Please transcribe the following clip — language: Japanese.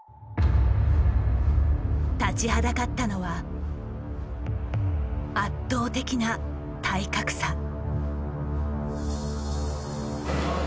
立ちはだかったのは圧倒的な体格差。